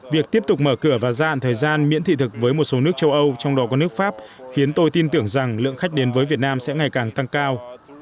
việc tiếp tục mở cửa và gia hạn thời gian miễn thị thực với một số nước châu âu trong đó có nước pháp khiến tôi tin tưởng rằng lượng khách đến với việt nam sẽ ngày càng tăng cao